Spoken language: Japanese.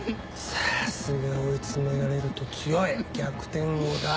さすが追い詰められると強い逆転王だ。